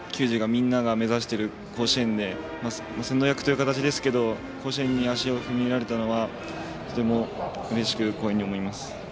みんなが目指しているこの甲子園で先導役という形ですけど甲子園に足を踏み入れられたのはとてもうれしく光栄に思います。